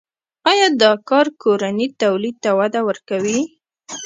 آیا دا کار کورني تولید ته وده ورکوي؟